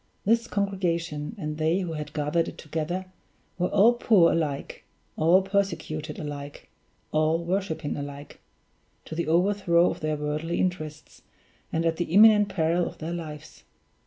This congregation and they who had gathered it together, were all poor alike, all persecuted alike, all worshiping alike, to the overthrow of their worldly interests, and at the imminent peril of their lives.